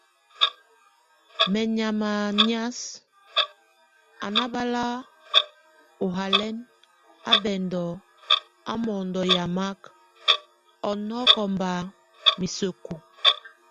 Menyama nias, a nábal óhalɛn á bɛndo á mondo yamak, ɔnɔk bá miseku.